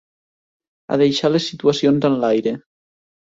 A deixar les situacions enlaire.